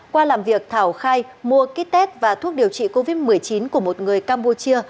qua làm việc thảo khai mua kích tết và thuốc điều trị covid một mươi chín của một người campuchia